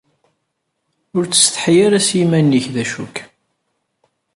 Ur ttsetḥi ara s yiman-ik d acu-k.